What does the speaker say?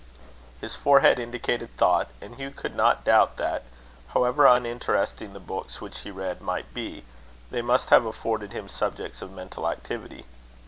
His forehead indicated thought; and Hugh could not doubt that, however uninteresting the books which he read might be, they must have afforded him subjects of mental activity.